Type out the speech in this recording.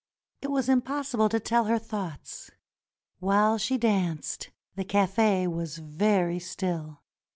It was impossible to tell her thoughts. While she danced, the cafe was very still.